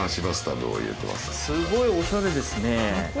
すごいおしゃれですね。